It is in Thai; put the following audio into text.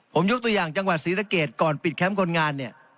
ผมยกตัวอย่างจังหวัดศรีสะเกดก่อนปิดแคมป์คนงานเนี่ย